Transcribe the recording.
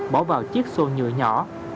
bỏ vào chiếc xô nhựa nhỏ